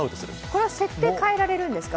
これは設定、変えられるんですか？